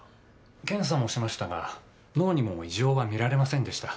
検査もしましたが脳にも異常は見られませんでした。